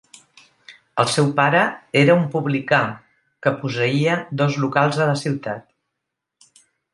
El seu pare era un publicà, que posseïa dos locals a la ciutat.